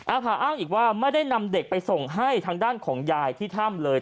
ภาอ้างอีกว่าไม่ได้นำเด็กไปส่งให้ทางด้านของยายที่ถ้ำเลย